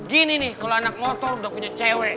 gini nih kalau anak motor udah punya cewek